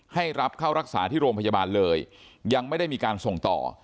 ให้รับเข้ารักษาที่โรงพยาบาลเลยยังไม่ได้มีการส่งต่อ